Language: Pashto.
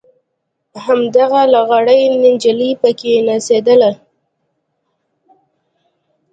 هماغه لغړه نجلۍ پکښې نڅېدله.